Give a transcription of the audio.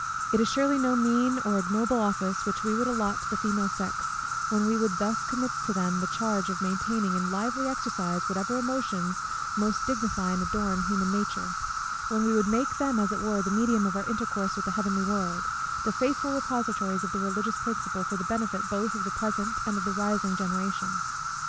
It is surely no mean or ignoble office which we would allot to the female sex, when we would thus commit to them the charge of maintaining in lively exercise whatever emotions most dignify and adorn human nature; when we would make them as it were the medium of our intercourse with the heavenly world, the faithful repositories of the religious principle, for the benefit both of the present and of the rising generation.